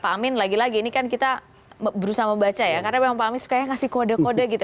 pak amin lagi lagi ini kan kita berusaha membaca ya karena memang pak amin sukanya ngasih kode kode gitu